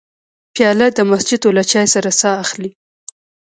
پیاله د مسجدو له چای سره ساه اخلي.